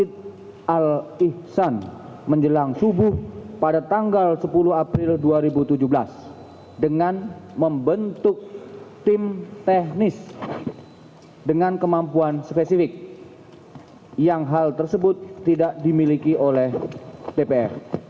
tgpf menyatakan bahwa ada keterangan dari tim yang menurut tgpf